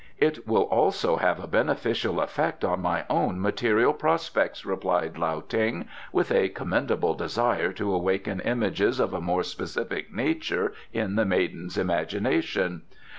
"It will also have a beneficial effect on my own material prospects," replied Lao Ting, with a commendable desire to awaken images of a more specific nature in the maiden's imagination.